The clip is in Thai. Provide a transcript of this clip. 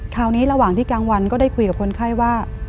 ระหว่างที่กลางวันก็ได้คุยกับคนไข้ว่า